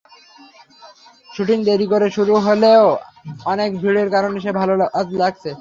Shooting দেরি করে শুরু হলেও অনেক ভিড়ের কারণে বেশ ভালো লাগছে।